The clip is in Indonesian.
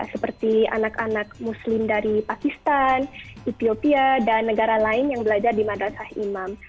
seperti anak anak muslim dari pakistan ityopia dan negara lain yang belajar di madrasah imam